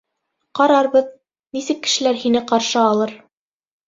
Ҡарарбыҙ, нисек кешеләр һине ҡаршы алыр!